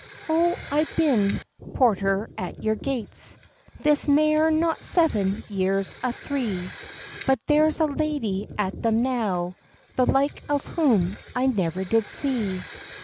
"O I've been porter at your gates This mair nor seven years an three, But there is a lady at them now The like of whom I never did see.